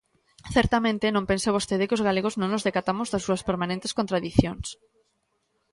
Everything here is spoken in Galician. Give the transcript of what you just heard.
Certamente, non pense vostede que os galegos non nos decatamos das súas permanentes contradicións.